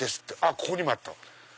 ここにもあった。